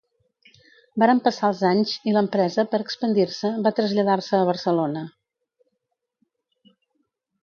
Varen passar els anys i l'empresa, per expandir-se, va traslladar-se a Barcelona.